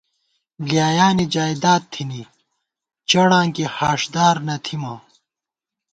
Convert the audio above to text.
بۡلیایانی جائدادتھنی چڑاں کی ہاݭدار نہ تھِمہ